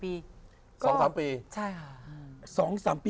๒๓ปีกว่าจะเป็นแฟนใช่ไหม